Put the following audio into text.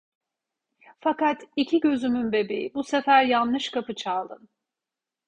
Fakat iki gözümün bebeği, bu sefer yanlış kapı çaldın.